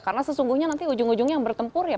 karena sesungguhnya nanti ujung ujungnya yang bertempur ya